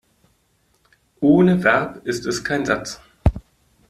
Ohne Verb ist es kein Satz.